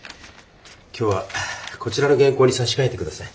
今日はこちらの原稿に差し替えて下さい。